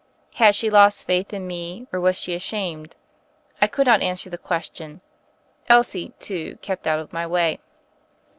Had she lost faith in me? or was she ashamed? I could not answer the question. Elsie, too, kept out of my way.